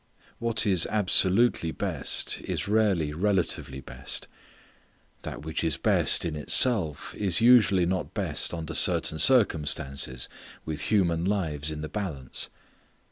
What is absolutely best is rarely relatively best. That which is best in itself is usually not best under certain circumstances, with human lives in the balance.